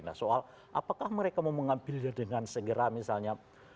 nah soal apakah mereka mau mengambilnya dengan segera misalnya